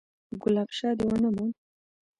_ګلاب شاه دې ونه موند؟